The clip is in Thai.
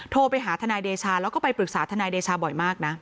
โทรไปหาทนายเดชาแล้วก็ไปปรึกษาทนายเดชาบ่อยมากนะ